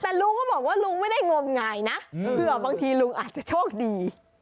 แต่ลุงก็บอกว่าลุงไม่ได้งมงายนะเผื่อบางทีลุงอาจจะโชคดี